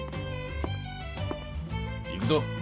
・行くぞ。